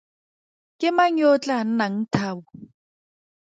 Ke mang yo o tlaa nnang Thabo?